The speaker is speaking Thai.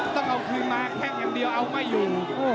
ต้องเอาคืนมาแข้งอย่างเดียวเอาไม่อยู่